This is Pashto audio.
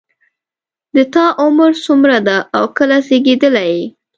د تا عمر څومره ده او کله زیږیدلی یې